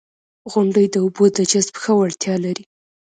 • غونډۍ د اوبو د جذب ښه وړتیا لري.